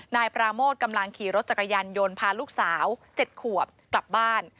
นายปราโมทกำลังขี่รถจักรยานยนต์พาลูกสาว๗ขวบกลับบ้าน